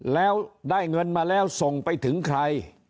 แล้วได้เงินมาแล้วส่งไปถึงใคร